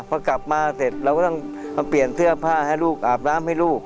พอกลับมาเสร็จเราก็ต้องมาเปลี่ยนเสื้อผ้าให้ลูกอาบน้ำให้ลูก